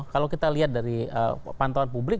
kalau kita lihat dari pantauan publik